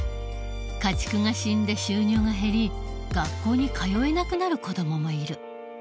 家畜が死んで収入が減り学校に通えなくなる子どももいる。